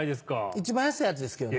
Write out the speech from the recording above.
一番安いやつですけどね。